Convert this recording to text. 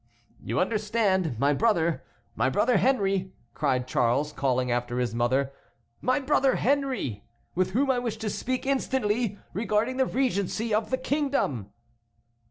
"You understand, my brother, my brother Henry," cried Charles, calling after his mother; "my brother Henry, with whom I wish to speak instantly regarding the regency of the kingdom!"